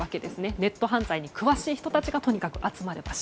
ネット犯罪に詳しい人たちがとにかく集まる場所。